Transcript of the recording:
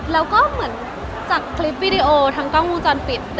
แล้วก็เหมือนจากคลิปวิดีโอทั้งกล้องวงจรปิด